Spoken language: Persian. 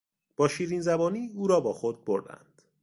با شیرینزبانی او را با خود بردند.